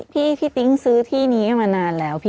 พี่ติ๊งซื้อที่นี้ไม่มานานแล้ว